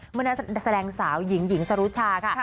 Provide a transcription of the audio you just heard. เมื่อนั้นแสดงสาวหญิงหญิงสรุชาค่ะ